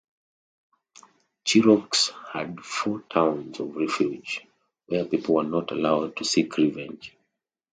Cherokees had four towns of refuge, where people were not allowed to seek revenge.